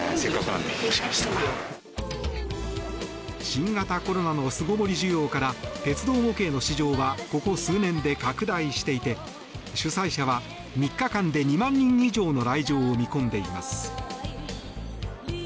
新型コロナの巣ごもり需要から鉄道模型の市場はここ数年で拡大していて主催者は３日間で２万人以上の来場を見込んでいます。